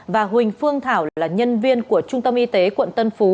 và huỳnh phương thảo là nhân viên của trung tâm y tế quận tân phú